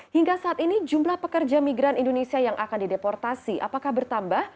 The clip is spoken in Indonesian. hingga saat ini jumlah pekerja migran indonesia yang akan dideportasi apakah bertambah